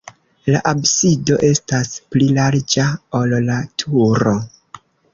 La absido estas pli larĝa, ol la turo.